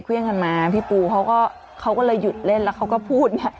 เครื่องกันมาพี่ปูเขาก็เขาก็เลยหยุดเล่นแล้วเขาก็พูดเนี่ย